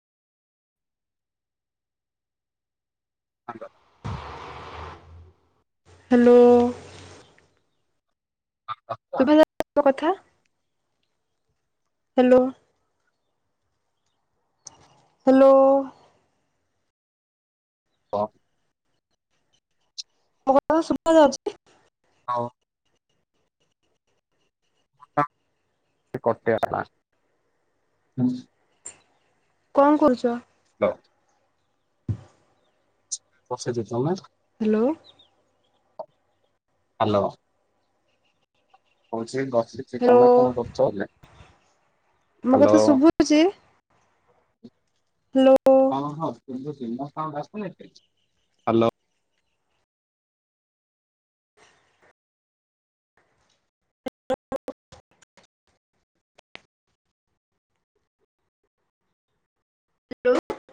[unintelligible] [inaudible] ହାଲୋ-ଓ। ଶୁଭା ଯାଉଚି ନା ମୋ କଥା? [inaudible] ହାଲୋ। [inaudible] [inaudible] ହଲୋ-ଓ। କ। ମୋ କଥା [unintelligible] ସୁବା ଯାଉଛି? ଆଉ। [unintelligible] [inaudible] [unintelligible] କଅ କରୁଚ? ବସେତେ ଯାଉନା? ହାଲୋ। ହାଲୋ, [inaudible] କୋହୁଛି ବସିଛି, ହ୍ୟାଲୋ ତମେ କଣ କରୁଛ? ମୋ ହାଲୋ କଥା ଶୁଭୁଛି? [inaudible] ହଁ ହ୍ୟାଲୋ ହଁ ଶୁଭୁଛି, ମୋ ସାଉଣ୍ଡ ଆସୁନେଇକି? [unintelligible] ହାଲୋ